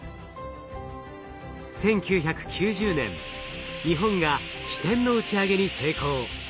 １９９０年日本が「ひてん」の打ち上げに成功。